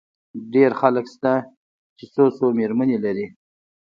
ډېر خلک شته، چي څو څو مېرمنې لري.